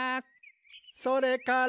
「それから」